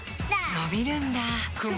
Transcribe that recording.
のびるんだ